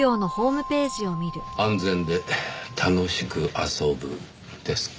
「安全で楽しく遊ぶ」ですか。